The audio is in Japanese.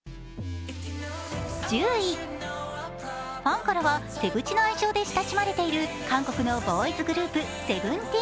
１０位、ファンからはセブチの愛称で親しまれている韓国のボーイズグループ・ＳＥＶＥＮＴＥＥＮ。